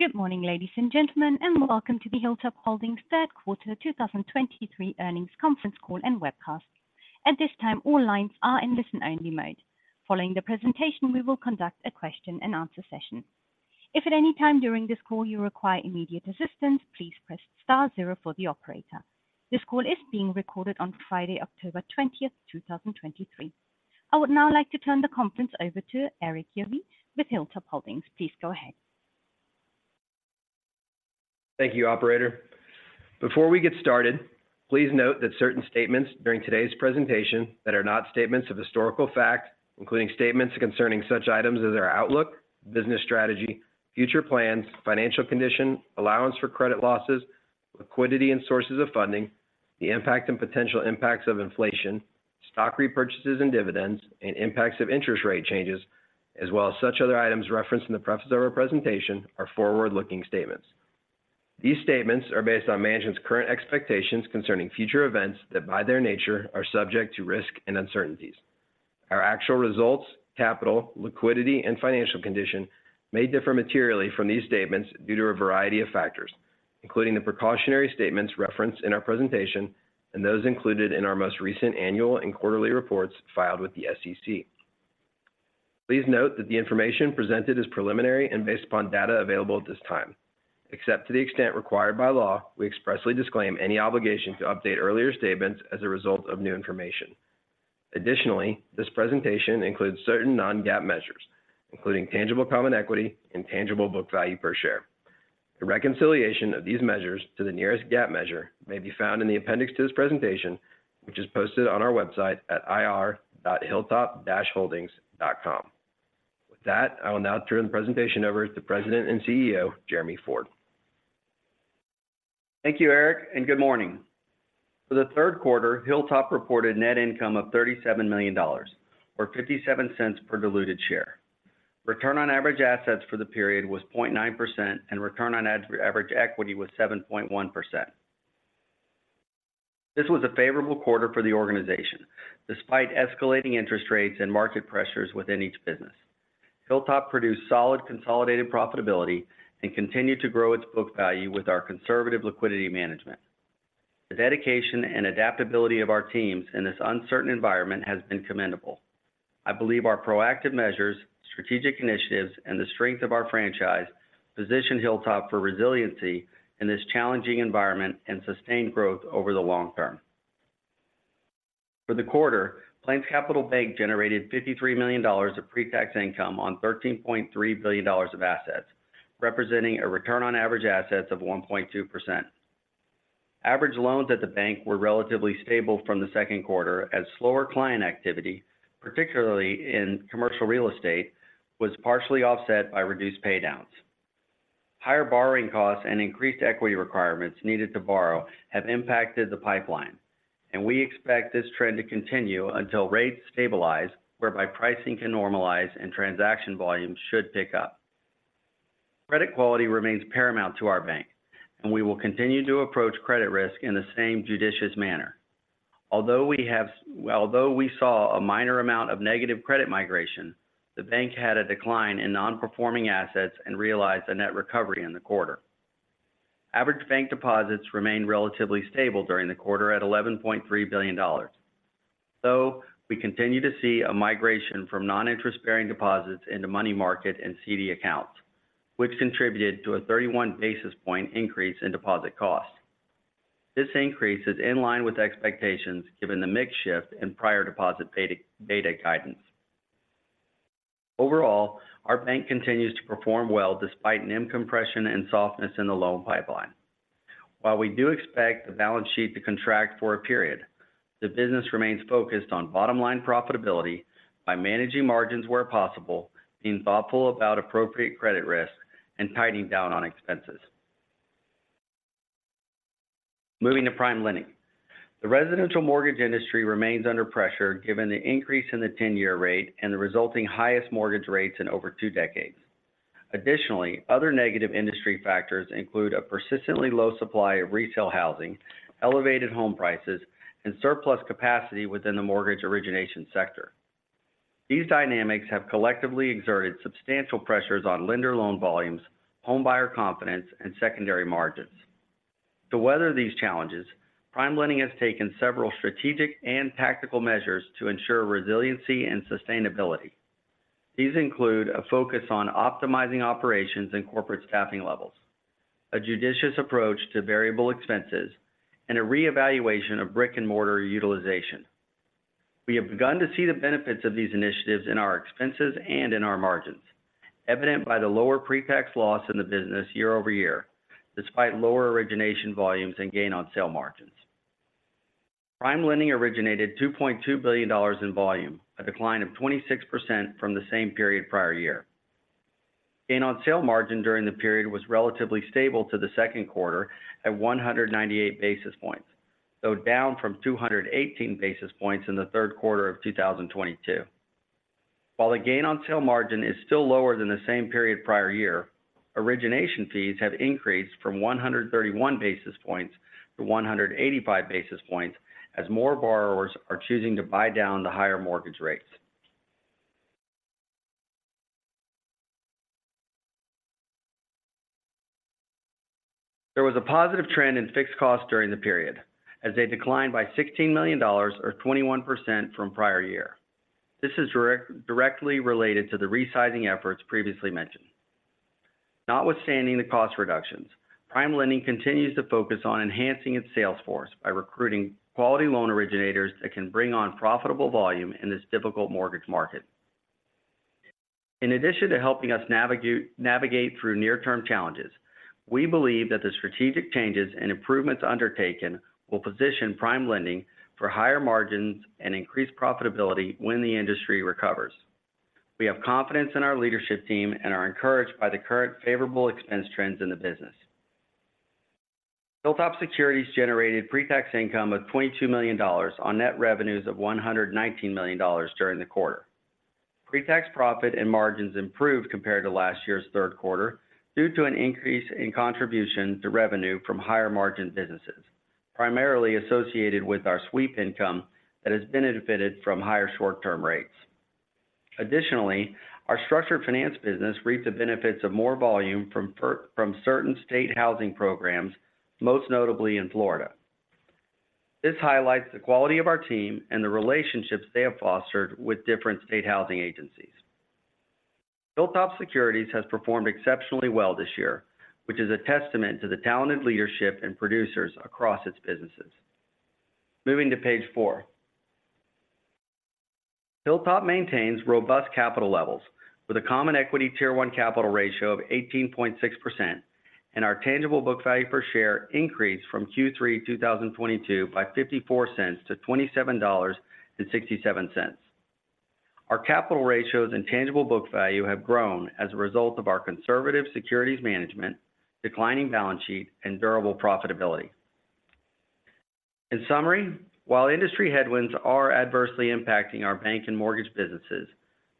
Good morning, ladies and gentlemen, and welcome to the Hilltop Holdings third quarter 2023 earnings conference call and webcast. At this time, all lines are in listen-only mode. Following the presentation, we will conduct a question-and-answer session. If at any time during this call you require immediate assistance, please press star zero for the operator. This call is being recorded on Friday, October 20th, 2023. I would now like to turn the conference over to Erik Yohe with Hilltop Holdings. Please go ahead. Thank you, operator. Before we get started, please note that certain statements during today's presentation that are not statements of historical fact, including statements concerning such items as our outlook, business strategy, future plans, financial condition, allowance for credit losses, liquidity and sources of funding, the impact and potential impacts of inflation, stock repurchases and dividends, and impacts of interest rate changes, as well as such other items referenced in the preface of our presentation, are forward-looking statements. These statements are based on management's current expectations concerning future events that, by their nature, are subject to risk and uncertainties. Our actual results, capital, liquidity, and financial condition may differ materially from these statements due to a variety of factors, including the precautionary statements referenced in our presentation and those included in our most recent annual and quarterly reports filed with the SEC. Please note that the information presented is preliminary and based upon data available at this time. Except to the extent required by law, we expressly disclaim any obligation to update earlier statements as a result of new information. Additionally, this presentation includes certain non-GAAP measures, including tangible common equity and tangible book value per share. The reconciliation of these measures to the nearest GAAP measure may be found in the appendix to this presentation, which is posted on our website at ir.hilltop-holdings.com. With that, I will now turn the presentation over to the President and CEO, Jeremy Ford. Thank you, Erik, and good morning. For the third quarter, Hilltop reported net income of $37 million, or $0.57 per diluted share. Return on average assets for the period was 0.9%, and return on average equity was 7.1%. This was a favorable quarter for the organization, despite escalating interest rates and market pressures within each business. Hilltop produced solid consolidated profitability and continued to grow its book value with our conservative liquidity management. The dedication and adaptability of our teams in this uncertain environment has been commendable. I believe our proactive measures, strategic initiatives, and the strength of our franchise position Hilltop for resiliency in this challenging environment and sustained growth over the long term. For the quarter, PlainsCapital Bank generated $53 million of pre-tax income on $13.3 billion of assets, representing a return on average assets of 1.2%. Average loans at the bank were relatively stable from the second quarter, as slower client activity, particularly in commercial real estate, was partially offset by reduced paydowns. Higher borrowing costs and increased equity requirements needed to borrow have impacted the pipeline, and we expect this trend to continue until rates stabilize, whereby pricing can normalize and transaction volumes should pick up. Credit quality remains paramount to our bank, and we will continue to approach credit risk in the same judicious manner. Although we saw a minor amount of negative credit migration, the bank had a decline in non-performing assets and realized a net recovery in the quarter. Average bank deposits remained relatively stable during the quarter at $11.3 billion, though we continue to see a migration from non-interest-bearing deposits into money market and CD accounts, which contributed to a 31 basis point increase in deposit costs. This increase is in line with expectations, given the mix shift in prior deposit data guidance. Overall, our bank continues to perform well despite NIM compression and softness in the loan pipeline. While we do expect the balance sheet to contract for a period, the business remains focused on bottom-line profitability by managing margins where possible, being thoughtful about appropriate credit risk, and tightening down on expenses. Moving to PrimeLending. The residential mortgage industry remains under pressure given the increase in the 10-year rate and the resulting highest mortgage rates in over two decades. Additionally, other negative industry factors include a persistently low supply of retail housing, elevated home prices, and surplus capacity within the mortgage origination sector. These dynamics have collectively exerted substantial pressures on lender loan volumes, homebuyer confidence, and secondary margins. To weather these challenges, PrimeLending has taken several strategic and tactical measures to ensure resiliency and sustainability. These include a focus on optimizing operations and corporate staffing levels, a judicious approach to variable expenses, and a reevaluation of brick-and-mortar utilization. We have begun to see the benefits of these initiatives in our expenses and in our margins, evident by the lower pre-tax loss in the business year-over-year, despite lower origination volumes and gain on sale margins. PrimeLending originated $2.2 billion in volume, a decline of 26% from the same period prior year. Gain on sale margin during the period was relatively stable to the second quarter at 198 basis points, though down from 218 basis points in the third quarter of 2022. While the gain on sale margin is still lower than the same period prior year, origination fees have increased from 131 basis points to 185 basis points, as more borrowers are choosing to buy down the higher mortgage rates. There was a positive trend in fixed costs during the period, as they declined by $16 million or 21% from prior year. This is directly related to the resizing efforts previously mentioned. Notwithstanding the cost reductions, PrimeLending continues to focus on enhancing its sales force by recruiting quality loan originators that can bring on profitable volume in this difficult mortgage market. In addition to helping us navigate through near-term challenges, we believe that the strategic changes and improvements undertaken will position PrimeLending for higher margins and increased profitability when the industry recovers. We have confidence in our leadership team and are encouraged by the current favorable expense trends in the business. HilltopSecurities generated pre-tax income of $22 million on net revenues of $119 million during the quarter. Pre-tax profit and margins improved compared to last year's third quarter due to an increase in contribution to revenue from higher-margin businesses, primarily associated with our sweep income that has benefited from higher short-term rates. Additionally, our structured finance business reaped the benefits of more volume from certain state housing programs, most notably in Florida. This highlights the quality of our team and the relationships they have fostered with different state housing agencies. HilltopSecurities has performed exceptionally well this year, which is a testament to the talented leadership and producers across its businesses. Moving to page four. Hilltop maintains robust capital levels with a Common Equity Tier 1 capital ratio of 18.6%, and our tangible book value per share increased from Q3 2022 by $0.54 to $27.67. Our capital ratios and tangible book value have grown as a result of our conservative securities management, declining balance sheet, and durable profitability. In summary, while industry headwinds are adversely impacting our bank and mortgage businesses,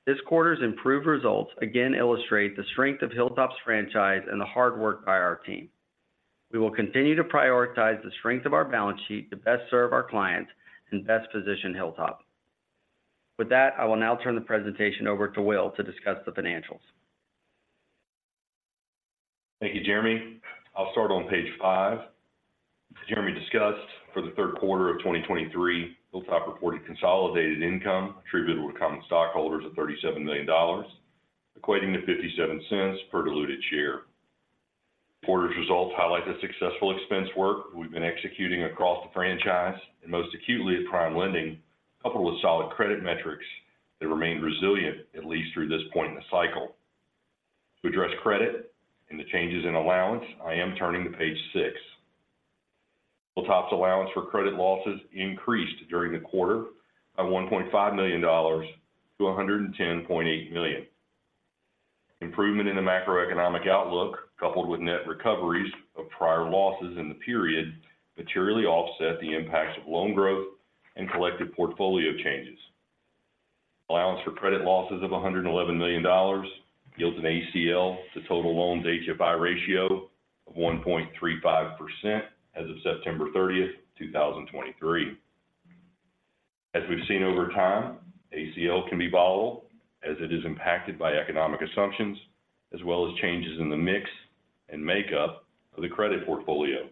this quarter's improved results again illustrate the strength of Hilltop's franchise and the hard work by our team. We will continue to prioritize the strength of our balance sheet to best serve our clients and best position Hilltop. With that, I will now turn the presentation over to Will to discuss the financials. Thank you, Jeremy. I'll start on page 5. As Jeremy discussed, for the third quarter of 2023, Hilltop reported consolidated income attributable to common stockholders of $37 million, equating to $0.57 per diluted share. The quarter's results highlight the successful expense work we've been executing across the franchise, and most acutely at PrimeLending, coupled with solid credit metrics that remained resilient, at least through this point in the cycle. To address credit and the changes in allowance, I am turning to page 6. Hilltop's allowance for credit losses increased during the quarter by $1.5 million to $110.8 million. Improvement in the macroeconomic outlook, coupled with net recoveries of prior losses in the period, materially offset the impacts of loan growth and collective portfolio changes. Allowance for credit losses of $111 million yields an ACL to total loans HFI ratio of 1.35% as of September 30th, 2023. As we've seen over time, ACL can be volatile as it is impacted by economic assumptions, as well as changes in the mix and makeup of the credit portfolio.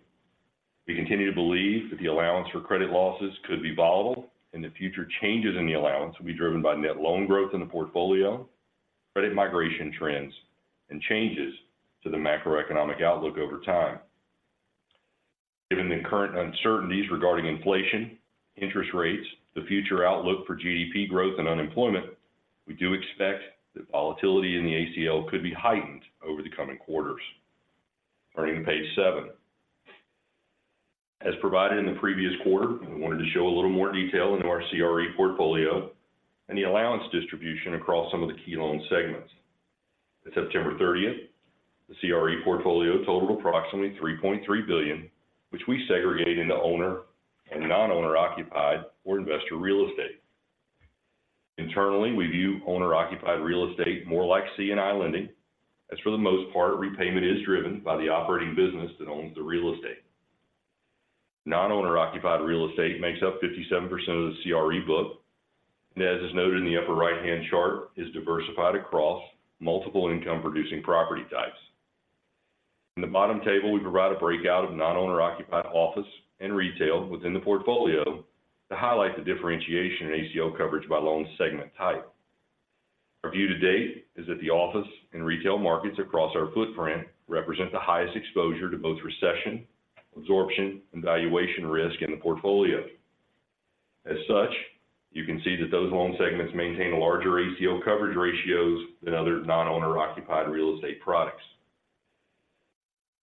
We continue to believe that the allowance for credit losses could be volatile, and the future changes in the allowance will be driven by net loan growth in the portfolio, credit migration trends, and changes to the macroeconomic outlook over time. Given the current uncertainties regarding inflation, interest rates, the future outlook for GDP growth and unemployment, we do expect that volatility in the ACL could be heightened over the coming quarters. Turning to page 7. As provided in the previous quarter, we wanted to show a little more detail into our CRE portfolio and the allowance distribution across some of the key loan segments. At September 30th, the CRE portfolio totaled approximately $3.3 billion, which we segregated into owner and non-owner-occupied or investor real estate. Internally, we view owner-occupied real estate more like C&I lending. As for the most part, repayment is driven by the operating business that owns the real estate. Non-owner-occupied real estate makes up 57% of the CRE book, and as is noted in the upper right-hand chart, is diversified across multiple income-producing property types. In the bottom table, we provide a breakout of non-owner-occupied office and retail within the portfolio to highlight the differentiation in ACL coverage by loan segment type. Our view to date is that the office and retail markets across our footprint represent the highest exposure to both recession, absorption, and valuation risk in the portfolio. As such, you can see that those loan segments maintain larger ACL coverage ratios than other non-owner-occupied real estate products.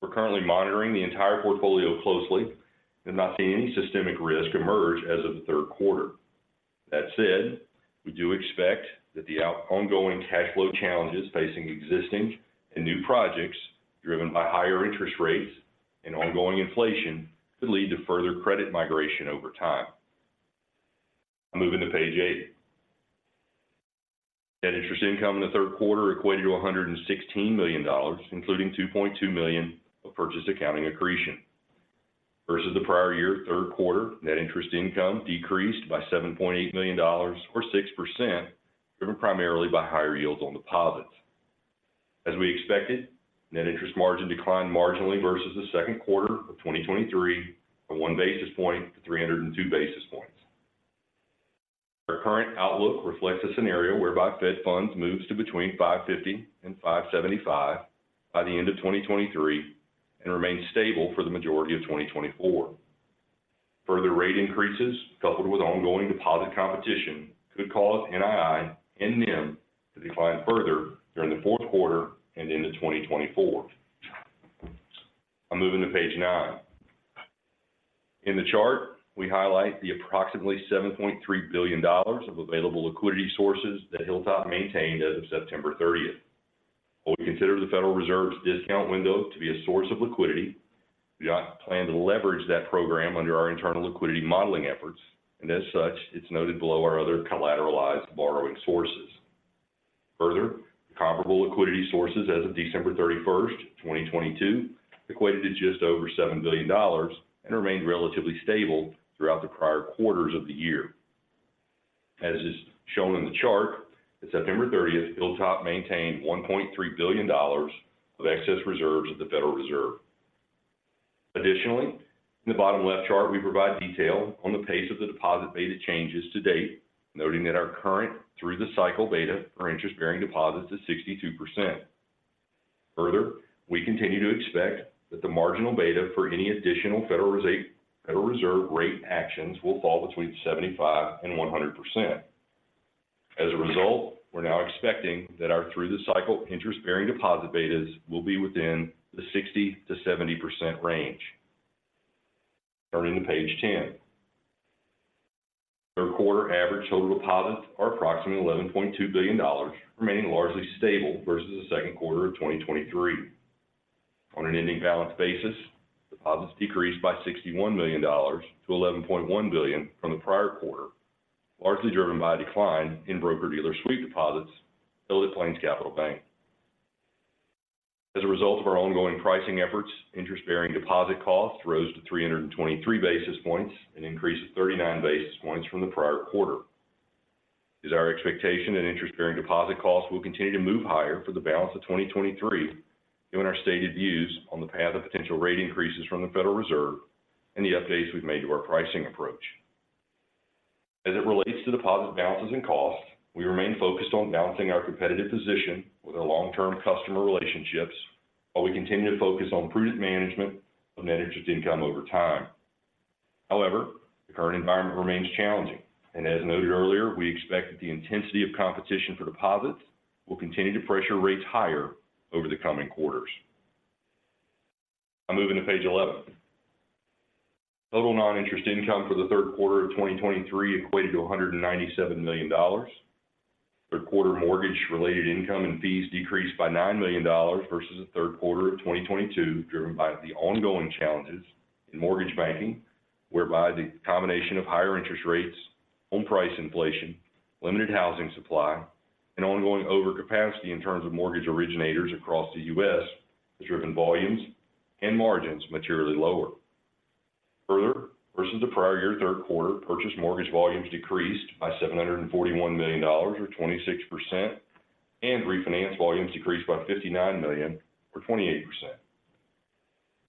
We're currently monitoring the entire portfolio closely and not seeing any systemic risk emerge as of the third quarter. That said, we do expect that the ongoing cash flow challenges facing existing and new projects driven by higher interest rates and ongoing inflation could lead to further credit migration over time. Moving to page eight. Net interest income in the third quarter equated to $116 million, including $2.2 million of purchase accounting accretion. Versus the prior year, third quarter net interest income decreased by $7.8 million, or 6%, driven primarily by higher yields on deposits. As we expected, net interest margin declined marginally versus the second quarter of 2023 from one basis point to 302 basis points. Our current outlook reflects a scenario whereby Fed Funds moves to between 5.50% and 5.75% by the end of 2023 and remains stable for the majority of 2024. Further rate increases, coupled with ongoing deposit competition, could cause NII and NIM to decline further during the fourth quarter and into 2024. I'm moving to page nine. In the chart, we highlight the approximately $7.3 billion of available liquidity sources that Hilltop maintained as of September 30th. While we consider the Federal Reserve's discount window to be a source of liquidity, we do not plan to leverage that program under our internal liquidity modeling efforts, and as such, it's noted below our other collateralized borrowing sources. Further, comparable liquidity sources as of December 31st, 2022, equated to just over $7 billion and remained relatively stable throughout the prior quarters of the year. As is shown in the chart, at September 30th, Hilltop maintained $1.3 billion of excess reserves at the Federal Reserve. Additionally, in the bottom left chart, we provide detail on the pace of the deposit beta changes to date, noting that our current through-the-cycle beta for interest-bearing deposits is 62%. Further, we continue to expect that the marginal beta for any additional Federal Reserve rate actions will fall between 75% and 100%. As a result, we're now expecting that our through-the-cycle interest-bearing deposit betas will be within the 60%-70% range. Turning to page 10. Third quarter average total deposits are approximately $11.2 billion, remaining largely stable versus the second quarter of 2023. On an ending balance basis, deposits decreased by $61 million to $11.1 billion from the prior quarter, largely driven by a decline in broker-dealer sweep deposits held at PlainsCapital Bank. As a result of our ongoing pricing efforts, interest-bearing deposit costs rose to 323 basis points, an increase of 39 basis points from the prior quarter. It is our expectation that interest-bearing deposit costs will continue to move higher for the balance of 2023, given our stated views on the path of potential rate increases from the Federal Reserve and the updates we've made to our pricing approach. As it relates to deposit balances and costs, we remain focused on balancing our competitive position with our long-term customer relationships, while we continue to focus on prudent management of net interest income over time. However, the current environment remains challenging, and as noted earlier, we expect that the intensity of competition for deposits will continue to pressure rates higher over the coming quarters. I'm moving to page 11. Total non-interest income for the third quarter of 2023 equated to $197 million. Third quarter mortgage-related income and fees decreased by $9 million versus the third quarter of 2022, driven by the ongoing challenges in mortgage banking, whereby the combination of higher interest rates, home price inflation, limited housing supply, and ongoing overcapacity in terms of mortgage originators across the U.S. has driven volumes and margins materially lower. Further, versus the prior year third quarter, purchase mortgage volumes decreased by $741 million, or 26%, and refinance volumes decreased by $59 million, or 28%.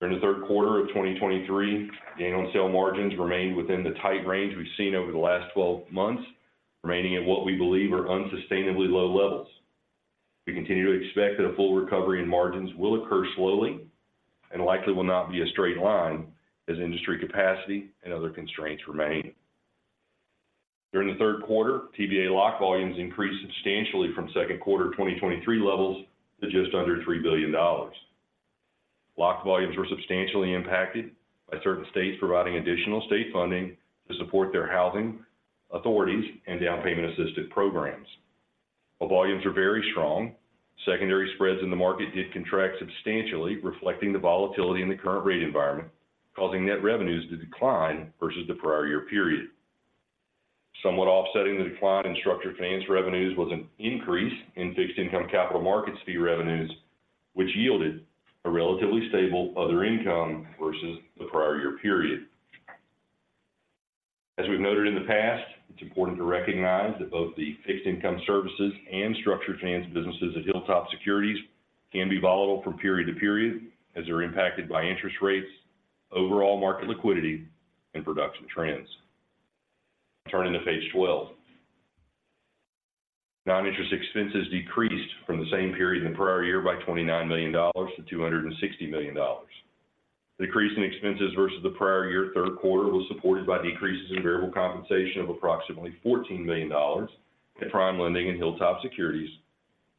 During the third quarter of 2023, gain on sale margins remained within the tight range we've seen over the last 12 months, remaining at what we believe are unsustainably low levels. We continue to expect that a full recovery in margins will occur slowly and likely will not be a straight line as industry capacity and other constraints remain. During the third quarter, TBA lock volumes increased substantially from second quarter 2023 levels to just under $3 billion. Lock volumes were substantially impacted by certain states providing additional state funding to support their housing authorities and down payment assistance programs. While volumes are very strong, secondary spreads in the market did contract substantially, reflecting the volatility in the current rate environment, causing net revenues to decline versus the prior year period. Somewhat offsetting the decline in structured finance revenues was an increase in fixed income capital markets fee revenues, which yielded a relatively stable other income versus the prior year period. As we've noted in the past, it's important to recognize that both the fixed income services and structured finance businesses at HilltopSecurities can be volatile from period to period, as they're impacted by interest rates, overall market liquidity, and production trends. Turning to page 12. Non-interest expenses decreased from the same period in the prior year by $29 million to $260 million. The decrease in expenses versus the prior year third quarter was supported by decreases in variable compensation of approximately $14 million at PrimeLending and HilltopSecurities,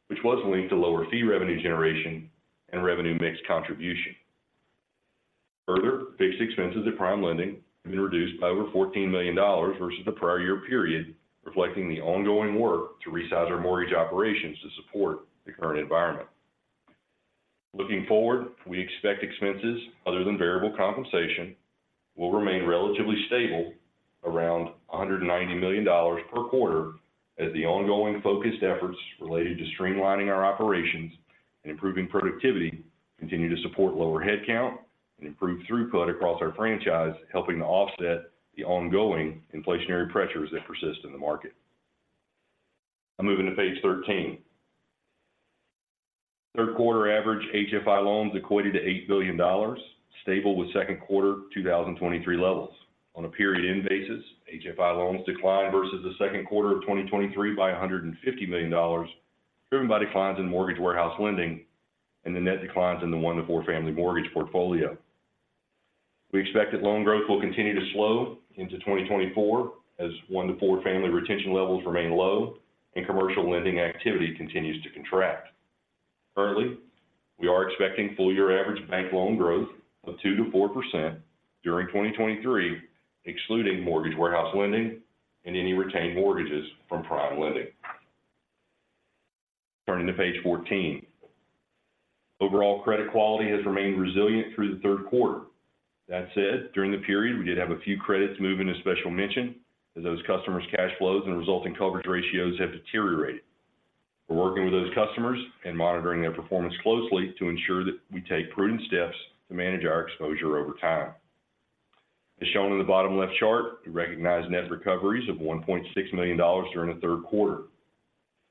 which was linked to lower fee revenue generation and revenue mix contribution. Further, fixed expenses at PrimeLending have been reduced by over $14 million versus the prior year period, reflecting the ongoing work to resize our mortgage operations to support the current environment. Looking forward, we expect expenses other than variable compensation will remain relatively stable. Around $190 million per quarter, as the ongoing focused efforts related to streamlining our operations and improving productivity continue to support lower headcount and improve throughput across our franchise, helping to offset the ongoing inflationary pressures that persist in the market. Now moving to page 13. Third quarter average HFI loans equated to $8 billion, stable with second quarter 2023 levels. On a period-end basis, HFI loans declined versus the second quarter of 2023 by $150 million, driven by declines in mortgage warehouse lending and the net declines in the one-to-four family mortgage portfolio. We expect that loan growth will continue to slow into 2024 as one-to-four family retention levels remain low and commercial lending activity continues to contract. Currently, we are expecting full-year average bank loan growth of 2%-4% during 2023, excluding mortgage warehouse lending and any retained mortgages from PrimeLending. Turning to page 14. Overall, credit quality has remained resilient through the third quarter. That said, during the period, we did have a few credits move into special mention as those customers' cash flows and resulting coverage ratios have deteriorated. We're working with those customers and monitoring their performance closely to ensure that we take prudent steps to manage our exposure over time. As shown in the bottom-left chart, we recognize net recoveries of $1.6 million during the third quarter.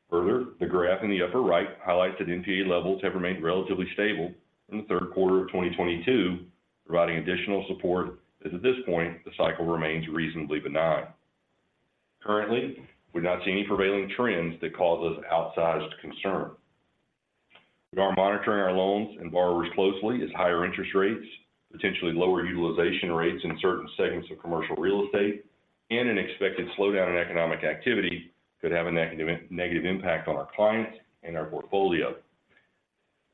Further, the graph in the upper right highlights that NPA levels have remained relatively stable in the third quarter of 2022, providing additional support, as at this point, the cycle remains reasonably benign. Currently, we're not seeing any prevailing trends that cause us outsized concern. We are monitoring our loans and borrowers closely as higher interest rates, potentially lower utilization rates in certain segments of commercial real estate, and an expected slowdown in economic activity could have a negative impact on our clients and our portfolio.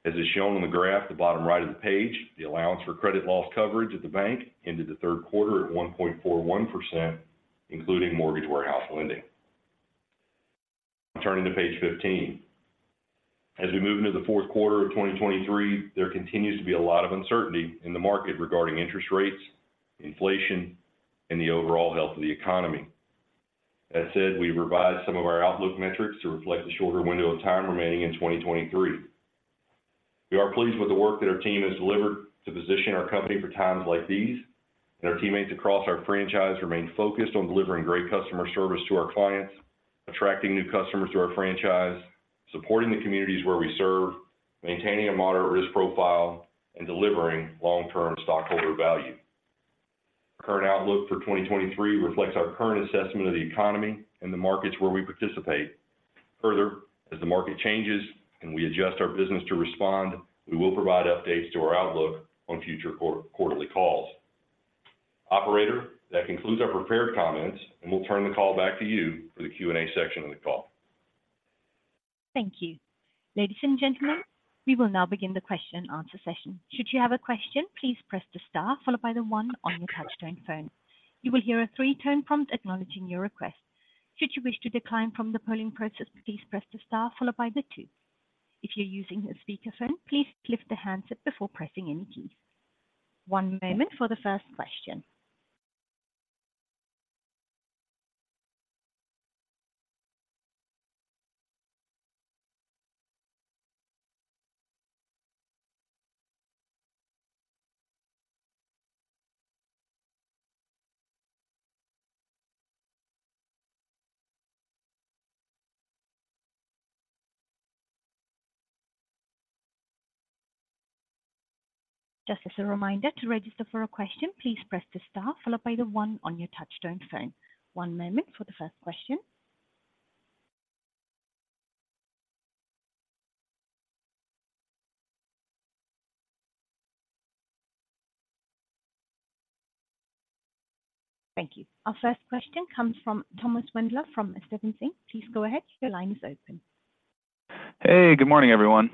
As is shown on the graph at the bottom right of the page, the allowance for credit loss coverage at the bank ended the third quarter at 1.41%, including mortgage warehouse lending. Turning to page 15. As we move into the fourth quarter of 2023, there continues to be a lot of uncertainty in the market regarding interest rates, inflation, and the overall health of the economy. That said, we've revised some of our outlook metrics to reflect the shorter window of time remaining in 2023. We are pleased with the work that our team has delivered to position our company for times like these, and our teammates across our franchise remain focused on delivering great customer service to our clients, attracting new customers to our franchise, supporting the communities where we serve, maintaining a moderate risk profile, and delivering long-term stockholder value. Current outlook for 2023 reflects our current assessment of the economy and the markets where we participate. Further, as the market changes and we adjust our business to respond, we will provide updates to our outlook on future quarterly calls. Operator, that concludes our prepared comments, and we'll turn the call back to you for the Q&A section of the call. Thank you. Ladies and gentlemen, we will now begin the question and answer session. Should you have a question, please press the star followed by the one on your touch-tone phone. You will hear a three-tone prompt acknowledging your request. Should you wish to decline from the polling process, please press the star followed by the two. If you're using a speakerphone, please lift the handset before pressing any keys. One moment for the first question. Just as a reminder, to register for a question, please press the star followed by the one on your touch-tone phone. One moment for the first question. Thank you. Our first question comes from Thomas Wendler from Stephens Inc. Please go ahead. Your line is open. Hey, good morning, everyone.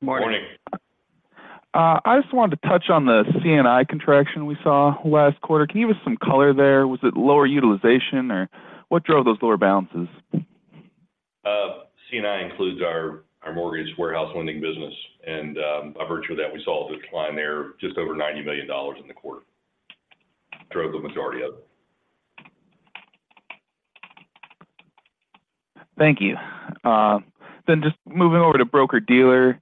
Good morning. I just wanted to touch on the C&I contraction we saw last quarter. Can you give us some color there? Was it lower utilization, or what drove those lower balances? C&I includes our mortgage warehouse lending business, and by virtue of that, we saw a decline there. Just over $90 million in the quarter drove the majority of it. Thank you. Just moving over to broker-dealer,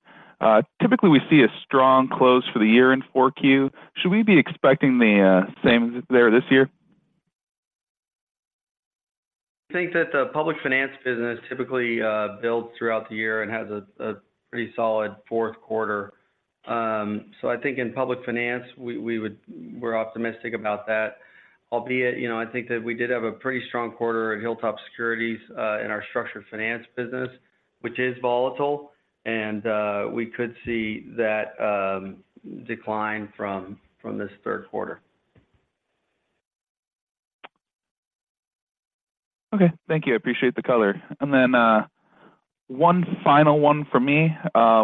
typically, we see a strong close for the year in 4Q. Should we be expecting the same there this year? I think that the public finance business typically builds throughout the year and has a pretty solid fourth quarter. I think in public finance, we're optimistic about that, albeit, you know, I think that we did have a pretty strong quarter at Hilltop Securities in our structured finance business, which is volatile, and we could see that decline from this third quarter. Okay. Thank you. I appreciate the color. One final one for me.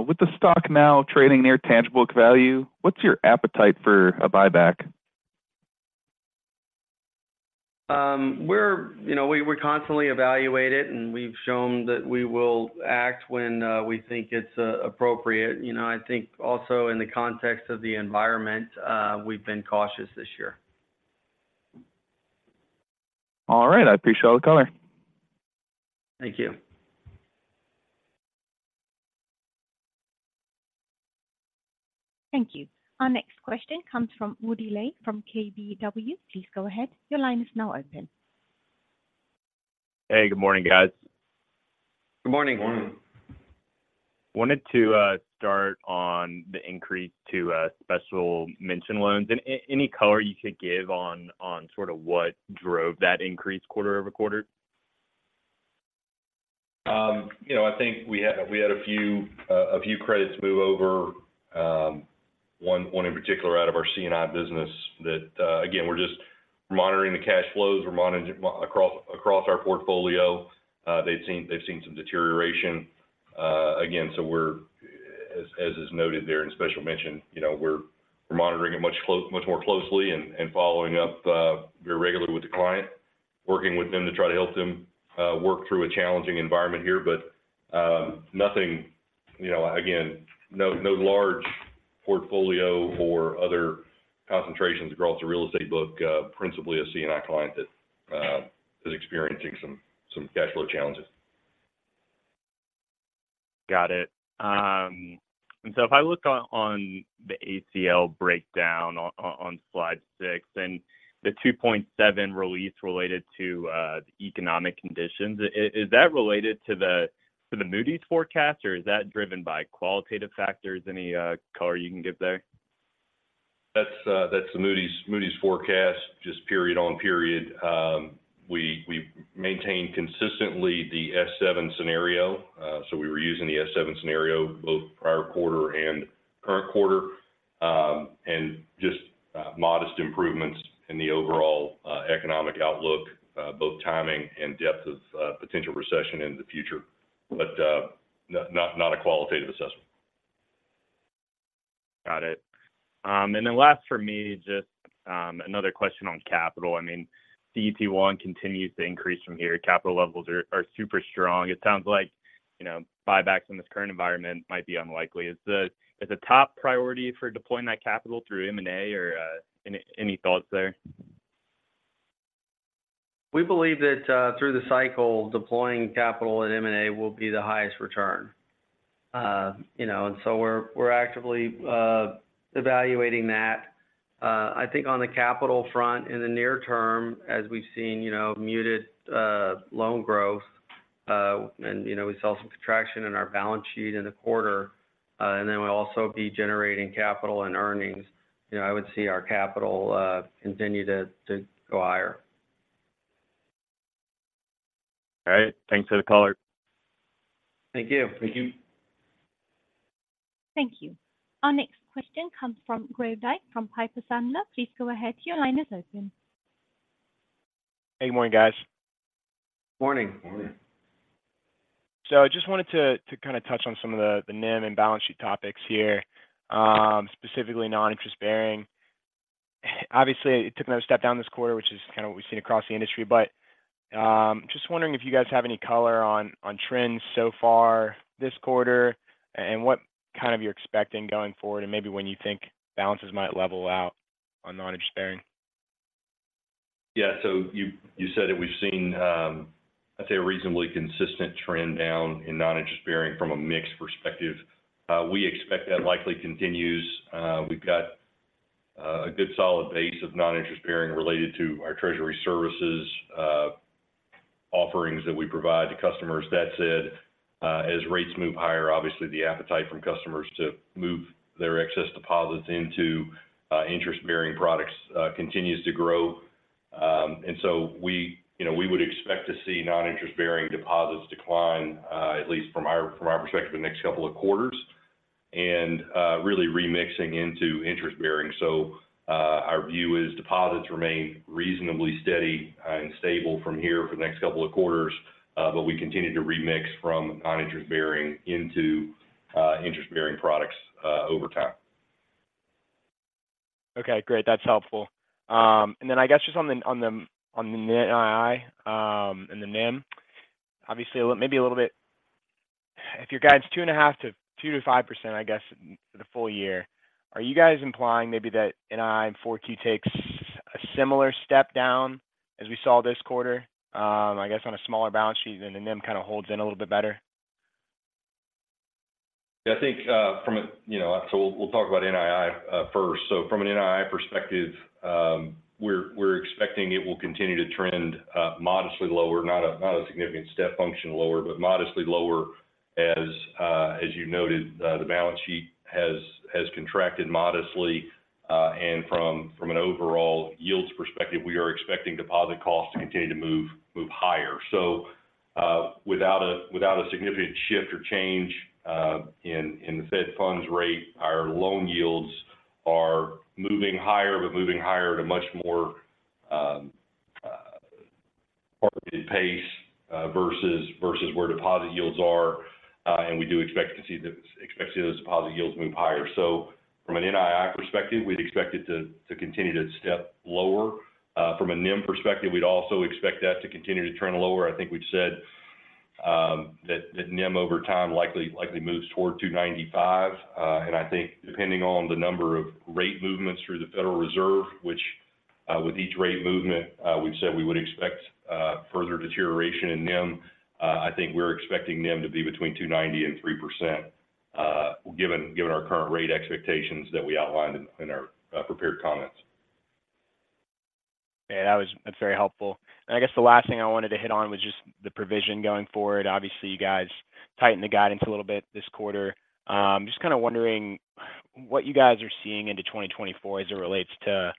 With the stock now trading near tangible book value, what's your appetite for a buyback? You know, we constantly evaluate it, and we've shown that we will act when we think it's appropriate. You know, I think also in the context of the environment, we've been cautious this year. All right. I appreciate the color. Thank you. Thank you. Our next question comes from Woody Lay from KBW. Please go ahead. Your line is now open. Hey, good morning, guys. Good morning. Good morning. Wanted to start on the increase to special mention loans. Any color you could give on sort of what drove that increase quarter-over-quarter? You know, I think we had a few credits move over, one in particular out of our C&I business that, again, we're just monitoring the cash flows. We're monitoring across our portfolio. They've seen some deterioration. Again, so we're, as is noted there in special mention, you know, we're monitoring it much more closely and following up very regularly with the client, working with them to try to help them work through a challenging environment here. Nothing, you know, again, no large portfolio or other concentrations across the real estate book, principally a C&I client that is experiencing some cash flow challenges. Got it. If I look on the ACL breakdown on slide six, and the $2.7 release related to the economic conditions, is that related to the Moody's forecast, or is that driven by qualitative factors? Any color you can give there? That's the Moody's forecast, just period-on-period. We maintain consistently the S7 scenario. We were using the S7 scenario both prior quarter and current quarter. Just modest improvements in the overall economic outlook, both timing and depth of potential recession in the future. Not a qualitative assessment. iin this current environment might be unlikely." * "Is the top priority for deploying that capital through M&A or any thoughts there?" * Wait, "Is the top priority for deploying that capital through M&A or any thoughts there?" * Is it "Is the top priority for deploying that capital through M&A? Or any thoughts there?" * The speaker says "Is the top priority for deploying that capital through We believe that through the cycle, deploying capital in M&A will be the highest return. You know, and so we're actively evaluating that. I think on the capital front, in the near term, as we've seen, you know, muted loan growth, and, you know, we saw some contraction in our balance sheet in the quarter, and then we'll also be generating capital and earnings. You know, I would see our capital continue to go higher. All right. Thanks for the color. Thank you. Thank you. Thank you. Our next question comes from Graham Dick from Piper Sandler. Please go ahead. Your line is open. Hey, good morning, guys. Morning. Morning. I just wanted to kind of touch on some of the NIM and balance sheet topics here, specifically non-interest-bearing. Obviously, it took another step down this quarter, which is kind of what we've seen across the industry. Just wondering if you guys have any color on trends so far this quarter and what kind of you're expecting going forward and maybe when you think balances might level out on non-interest-bearing? Yeah. You said that we've seen, I'd say, a reasonably consistent trend down in non-interest-bearing from a mix perspective. We expect that likely continues. We've got a good solid base of non-interest-bearing related to our treasury services offerings that we provide to customers. That said, as rates move higher, obviously, the appetite from customers to move their excess deposits into interest-bearing products continues to grow. You know, we would expect to see non-interest-bearing deposits decline, at least from our perspective, the next couple of quarters, and really remixing into interest-bearing. Our view is deposits remain reasonably steady and stable from here for the next couple of quarters, but we continue to remix from non-interest-bearing into interest-bearing products over time. Okay, great. That's helpful. I guess just on the NII and the NIM, obviously, maybe a little bit... If your guide's 2.5%-5%, I guess, for the full year, are you guys implying maybe that NII in 4Q takes a similar step down as we saw this quarter, I guess, on a smaller balance sheet, and the NIM kind of holds in a little bit better? Yeah, I think, you know, so we'll talk about NII first. From an NII perspective, we're expecting it will continue to trend modestly lower, not a significant step function lower, but modestly lower. As you noted, the balance sheet has contracted modestly, and from an overall yields perspective, we are expecting deposit costs to continue to move higher. Without a significant shift or change in the Fed Funds rate, our loan yields are moving higher, but moving higher at a much more measured pace versus where deposit yields are. We do expect to see those deposit yields move higher. From an NII perspective, we'd expect it to continue to step lower. From a NIM perspective, we'd also expect that to continue to trend lower. I think we've said that NIM over time likely moves toward 2.95. I think depending on the number of rate movements through the Federal Reserve, which with each rate movement, we've said we would expect further deterioration in NIM. I think we're expecting NIM to be between 2.90% and 3%, given our current rate expectations that we outlined in our prepared comments. Yeah, that's very helpful. I guess the last thing I wanted to hit on was just the provision going forward. Obviously, you guys tightened the guidance a little bit this quarter. Just kind of wondering what you guys are seeing into 2024 as it relates to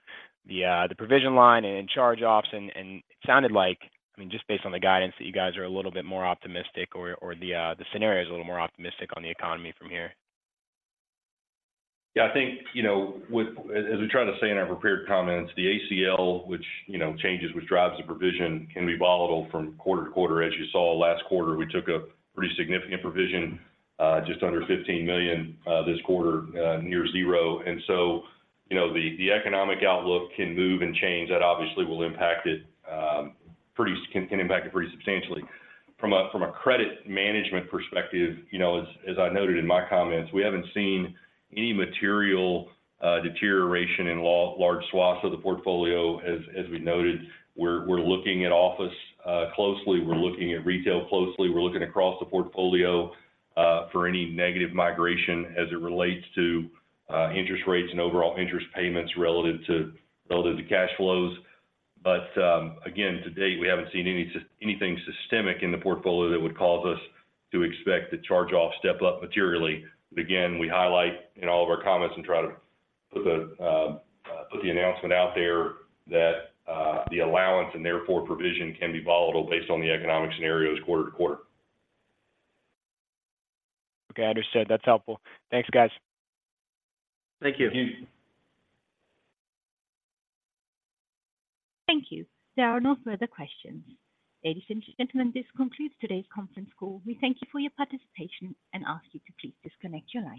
the provision line and charge-offs. It sounded like, I mean, just based on the guidance, that you guys are a little bit more optimistic or the scenario is a little more optimistic on the economy from here. Yeah, I think, you know, as we tried to say in our prepared comments, the ACL, which, you know, changes, which drives the provision, can be volatile from quarter to quarter. As you saw last quarter, we took a pretty significant provision, just under $15 million, this quarter, near zero. The economic outlook can move and change. That obviously will impact it, can impact it pretty substantially. From a credit management perspective, you know, as I noted in my comments, we haven't seen any material deterioration in large swaths of the portfolio. As we noted, we're looking at office closely, we're looking at retail closely. We're looking across the portfolio for any negative migration as it relates to interest rates and overall interest payments relative to cash flows. Again, to date, we haven't seen anything systemic in the portfolio that would cause us to expect the charge-off step up materially. Again, we highlight in all of our comments and try to put the announcement out there that the allowance and therefore provision can be volatile based on the economic scenarios quarter to quarter. Okay, understood. That's helpful. Thanks, guys. Thank you. Thank you. Thank you. There are no further questions. Ladies and gentlemen, this concludes today's conference call. We thank you for your participation and ask you to please disconnect your lines.